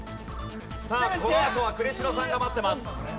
さあこのあとは呉城さんが待ってます。